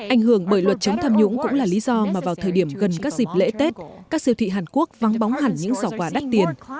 ảnh hưởng bởi luật chống tham nhũng cũng là lý do mà vào thời điểm gần các dịp lễ tết các siêu thị hàn quốc vắng bóng hẳn những giỏ quà đắt tiền